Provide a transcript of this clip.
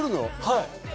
はい。